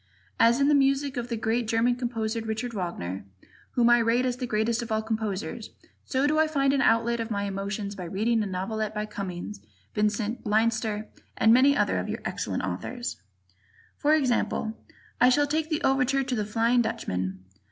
As in the music of that great German composer, Richard Wagner, whom I rate as the greatest of all composers, so do I find an outlet of my emotions by reading a novelette by Cummings, Vincent, Leinster and many other of your excellent Authors. For example, I shall take the overture to "The Flying Dutchman."